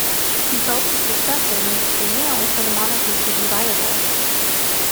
He felt his successor needed to be male for the monarchy to be viable.